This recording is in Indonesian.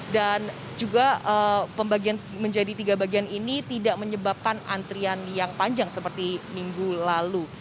dan juga pembagian menjadi tiga bagian ini tidak menyebabkan antrian yang panjang seperti minggu lalu